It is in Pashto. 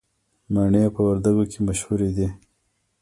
مڼې په وردګو کې مشهورې دي